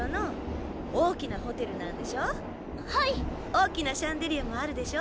大きなシャンデリアもあるでしょ？